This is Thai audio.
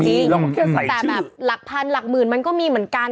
แต่แบบหลักพันหลักหมื่นมันก็มีเหมือนกัน